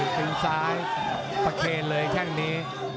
ซึ่งซ้ายประเคลเลยแค่นี้